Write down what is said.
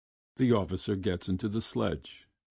The officer gets into the sledge.